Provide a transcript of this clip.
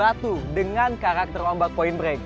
ratu dengan karakter ombak point break